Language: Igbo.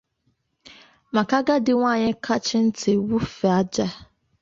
maka na agadi nwaanyị kachie ntị wụfèé aja